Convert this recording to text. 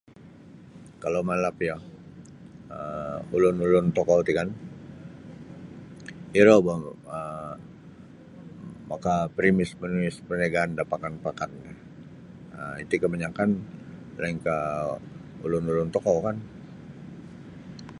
Kalau malap iyo um ulun-ulun tokou ti kan iro boh um makapremis-premis parniagaan da pekan-pekan ti iti kabanyakan lainkah ulun-ulun tokou kan.